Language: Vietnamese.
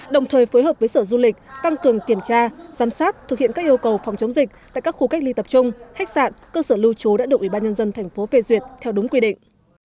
đồng thời phối hợp với sở du lịch tăng cường kiểm tra giám sát thực hiện các yêu cầu phòng chống dịch tại các khu cách ly tập trung hách sạn cơ sở lưu trú đã được ubnd thành phố phê duyệt theo đúng quy định